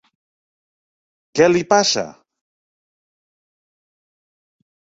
Què li passa?